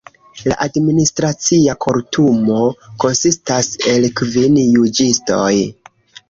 La Administracia Kortumo konsistas el kvin juĝistoj.